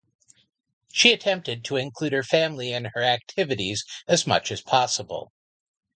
She attempted to include her family in her activities as much as possible.